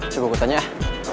coba aku tanya yah